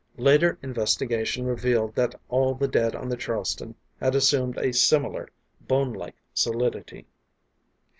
Later investigation revealed that all the dead on the Charleston had assumed a similar, bonelike solidity.